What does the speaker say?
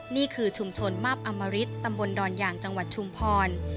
นี่คือชุมชนมาบอมริตตำบลดอนยางจังหวัดชุมพร